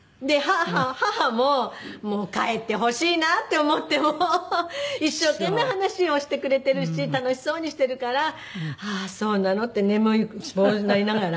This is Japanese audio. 母ももう帰ってほしいなって思っても一生懸命話をしてくれてるし楽しそうにしてるから「ああそうなの」って眠いこうなりながら。